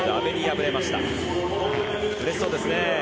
うれしそうですね。